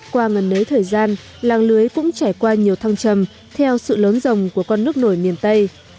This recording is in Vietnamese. qua ngần nới thời gian làng lưới cũng trải qua nhiều thăng trầm theo sự lớn rồng của con nước nổi miền tây